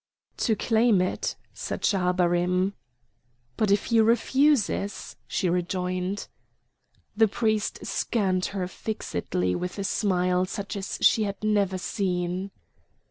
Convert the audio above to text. "To claim it," said Schahabarim. "But if he refuses?" she rejoined. The priest scanned her fixedly with a smile such as she had never seen.